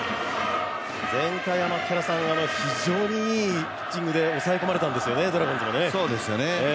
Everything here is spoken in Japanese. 前回は非常にいいピッチングで抑え込まれたんですよね。